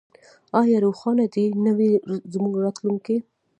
آیا روښانه دې نه وي زموږ راتلونکی؟